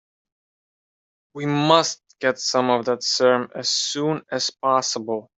We must get some of that serum as soon as possible.